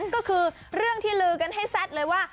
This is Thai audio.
ก็คือเรื่องที่ลือกันให้แซ่ดเลยว่า